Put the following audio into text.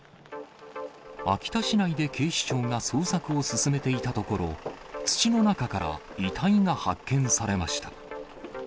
秋田市内で警視庁が捜索を進めていたところ、土の中から遺体が発見されました。